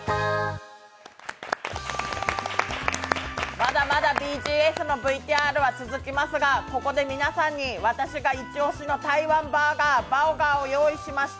まだまだＢＧＳのＶＴＲは続きますがここで皆さんに私がイチ押しの台湾バーガー、バオガーを用意しました。